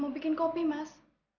mau bikin kopi mas